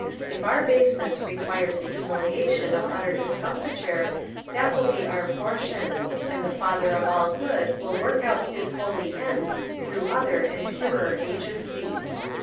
If our baseness requires the humiliation of utter discomfiture, that will be our portion, and the Father of all Good will work out His holy ends through other and purer agencies.